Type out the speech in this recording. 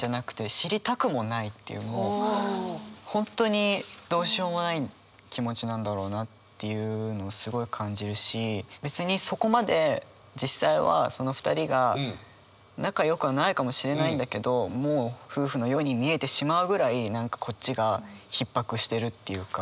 もう本当にどうしようもない気持ちなんだろうなっていうのをすごい感じるし別にそこまで実際はその２人が仲よくはないかもしれないんだけどもう夫婦のように見えてしまうぐらい何かこっちがひっ迫してるっていうか。